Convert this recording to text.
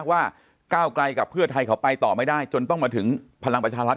ก้าวไกลกับเพื่อไทยเขาไปต่อไม่ได้จนต้องมาถึงพลังประชารัฐ